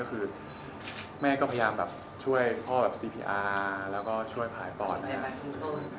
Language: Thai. คือแม่ก็พยายามแบบช่วยพ่อแบบซีพีอาร์แล้วก็ช่วยผ่ายปอด